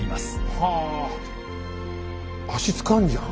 はあ足つかんじゃん。